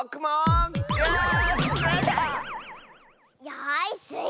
よしスイ